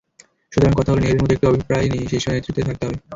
সুতরাং কথা হলো, নেহরুর মতো একটি অভিপ্রায় শীর্ষ নেতৃত্বের থাকতে হবে।